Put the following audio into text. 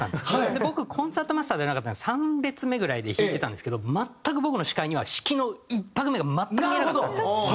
で僕コンサートマスターじゃなかったんで３列目ぐらいで弾いてたんですけど全く僕の視界には指揮の１拍目が全く見えなかったんです。